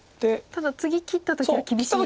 ただ次切った時は厳しい。